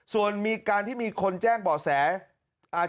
ส่วนมีการที่มีคนแจ้งบ่อแส